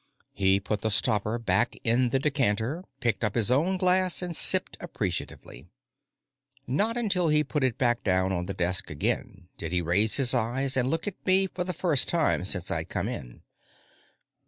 He put the stopper back in the decanter, picked up his own glass and sipped appreciatively. Not until he put it back down on the desk again did he raise his eyes and look at me for the first time since I'd come in.